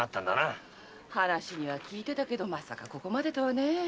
話には聞いてたけどまさかここまでとはねえ。